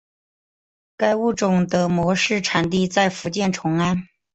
该物种的模式产地在福建崇安。